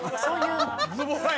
「ズボラや。